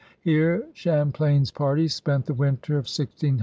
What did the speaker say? Here Champlain's party spent the winter of 1608 1609.